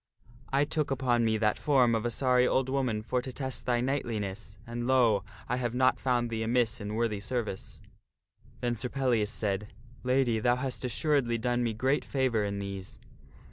I took upon me that form of a sorry old woman for to test thy knightliness, and, lo ! I have not found thee amiss in worthy service." Then Sir Pellias said, " Lady, thou hast assuredly done me great favor in these."